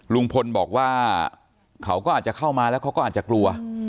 ลุงพลบอกว่าเขาก็อาจจะเข้ามาแล้วเขาก็อาจจะกลัว